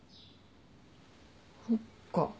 そっか。